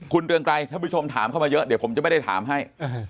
คุณเรืองไกรท่านผู้ชมถามเข้ามาเยอะเดี๋ยวผมจะไม่ได้ถามให้